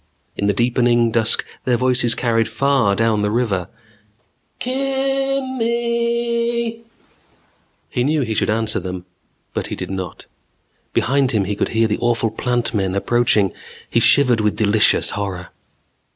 In the deepening dusk their voices carried far down the river. "Kimmmmm eeeeeeeeee " He knew he should answer them, but he did not. Behind him he could hear the awful Plant Men approaching. He shivered with delicious horror.